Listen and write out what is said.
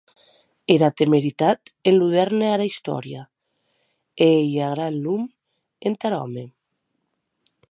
Era temeritat enludèrne ara istòria, e ei ua gran lum entar òme.